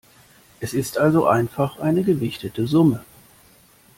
Es ist also einfach eine gewichtete Summe.